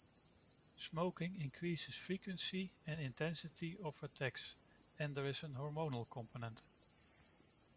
Smoking increases frequency and intensity of attacks, and there is a hormonal component.